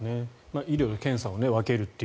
医療と検査を分けると。